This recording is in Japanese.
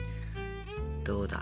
どうだ？